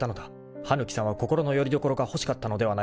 ［羽貫さんは心のよりどころが欲しかったのではないか？］